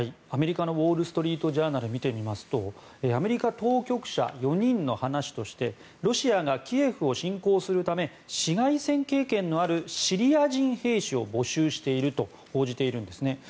アメリカのウォール・ストリート・ジャーナルを見てみますとアメリカ当局者４人の話としてロシアがキエフを侵攻するため市街戦経験のあるシリア人兵士を募集していると報じているんです。